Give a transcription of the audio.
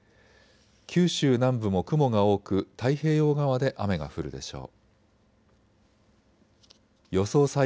九州南部も雲が多く太平洋側で雨が降るでしょう。